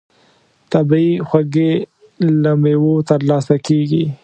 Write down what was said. طبیعي خوږې له مېوو ترلاسه کېږي.